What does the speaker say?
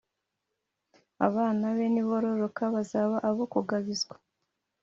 Abana be nibororoka bazaba abo kugabizwa